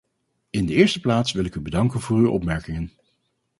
In de eerste plaats wil ik u bedanken voor uw opmerkingen.